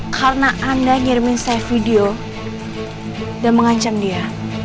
karena anda ngirimin saya video dan mengancam dia